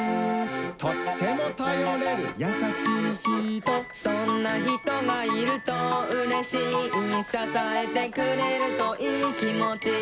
「とってもたよれるやさしいひと」「そんなひとがいるとうれしい」「ささえてくれるといいきもち」